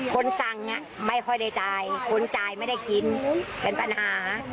คนสั่งไม่ค่อยได้จ่ายคนจ่ายไม่ได้กินเป็นปัญหา